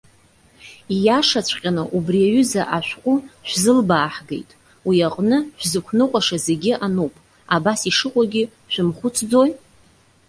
Ииашаҵәҟьаны, убри аҩыза ашәҟәы шәзылбааҳгеит, уи аҟны шәзықәныҟәаша зегьы ануп. Абас ишыҟоугьы шәымхәыцӡои?